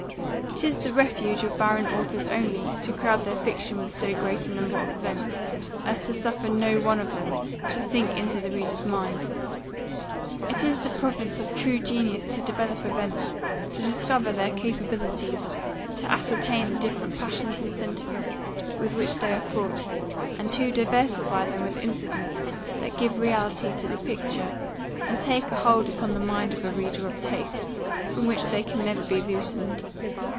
It is the refuge of barren authors only, to crowd their fictions with so great a number of events, as to suffer no one of them to sink into the reader's mind. It is the province of true genius to develop events, to discover their capabilities, to ascertain the different passions and sentiments with which they are fraught, and to diversify them with incidents, that give reality to the picture, and take a hold upon the mind of a reader of taste, from which they can never be loosened.